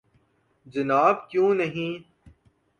جناب کیوں نہیں